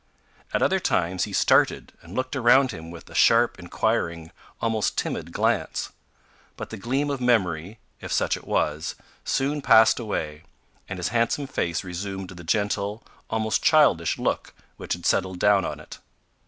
At other times he started and looked around him with a sharp, inquiring, almost timid, glance; but the gleam of memory if such it was soon passed away, and his handsome face resumed the gentle, almost childish, look which had settled down on it.